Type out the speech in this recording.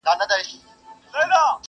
بلا توره دي پسې ستا په هنر سي.!